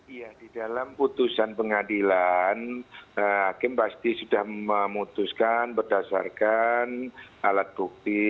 iya di dalam putusan pengadilan hakim pasti sudah memutuskan berdasarkan alat bukti